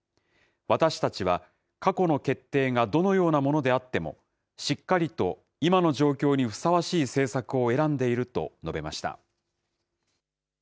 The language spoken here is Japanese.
私たちは過去の決定がどのようなものであっても、しっかりと今の状況にふさわしい政策を選んでいると述べました。